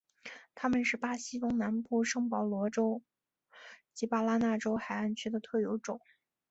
它们是巴西东南部圣保罗州及巴拉那州海岸区的特有种。